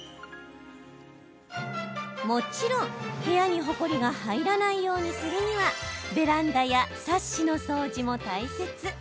もちろん、部屋にほこりが入らないようにするにはベランダやサッシの掃除も大切。